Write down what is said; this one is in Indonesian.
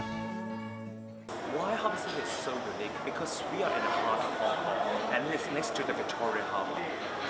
pusat perbelanjaan ini sangat unik karena kami berada di tengah tengah hongkong dan berada di sebelah harbour victoria